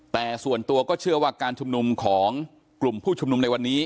แต่ส่วนตัวก็เชื่อว่าการชุมนุมของกลุ่มผู้ชุมนุมในวันนี้